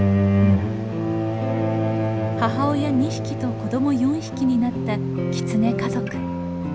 母親２匹と子ども４匹になったキツネ家族。